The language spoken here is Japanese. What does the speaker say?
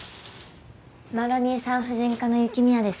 マロニエ産婦人科の雪宮です。